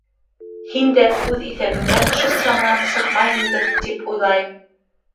Һин дә үҙ иҫәбеңдән шул саманан сыҡмайһыңдыр, тип уйлайым.